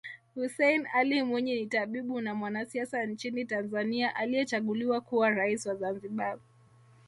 Hussein Ali Mwinyi ni tabibu na mwanasiasa nchini Tanzania aliyechaguliwa kuwa rais wa Zanzibar